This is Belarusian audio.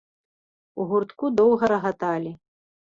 У гуртку доўга рагаталі.